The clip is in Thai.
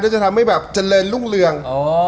จะทำให้แบบเจริญรุ่งเรือง